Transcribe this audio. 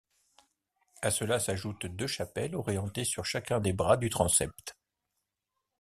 À cela s'ajoutent deux chapelles orientées sur chacun des bras du transept.